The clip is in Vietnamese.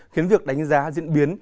khiến việc đánh giá diễn biến